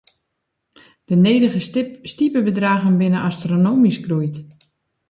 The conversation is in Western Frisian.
De nedige stipebedraggen binne astronomysk groeid.